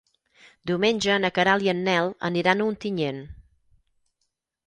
Diumenge na Queralt i en Nel aniran a Ontinyent.